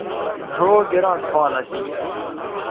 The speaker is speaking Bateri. ڙھؤ گران پان اسی